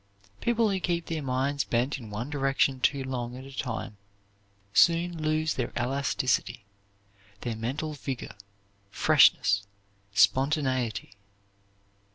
People who keep their minds bent in one direction too long at a time soon lose their elasticity, their mental vigor, freshness, spontaneity.